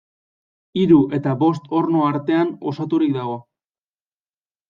Hiru eta bost orno artean osaturik dago.